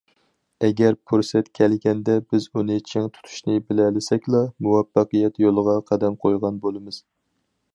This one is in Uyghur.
ئەگەر پۇرسەت كەلگەندە بىز ئۇنى چىڭ تۇتۇشنى بىلەلىسەكلا، مۇۋەپپەقىيەت يولىغا قەدەم قويغان بولىمىز.